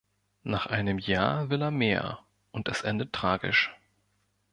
Nach einem Jahr will er mehr und es endet tragisch.